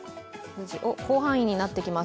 広範囲になってきます。